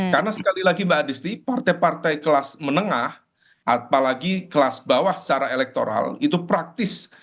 karena sekali lagi mbak adisti partai partai kelas menengah apalagi kelas bawah secara elektoral itu praktis